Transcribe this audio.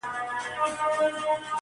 د سل سري اژدها پر كور ناورين سو!!